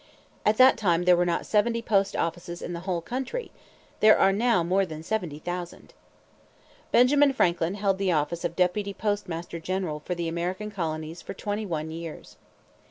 At that time there were not seventy post offices in the whole country. There are now more than seventy thousand. Benjamin Franklin held the office of deputy postmaster general for the American colonies for twenty one years.